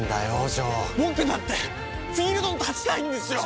城僕だってフィールドに立ちたいんですよ！